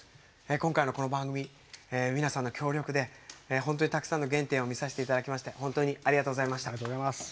今回のこの番組、皆さんの協力で本当にたくさんの原点を見させていただきましてありがとうございました。